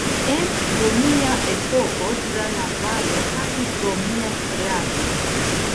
En romia epoko tra la valo pasis romia strato.